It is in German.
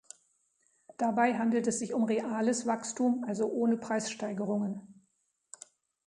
Dabei handelt es sich um reales Wachstum, also ohne Preissteigerungen.